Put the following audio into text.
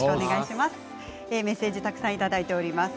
メッセージたくさんいただいています。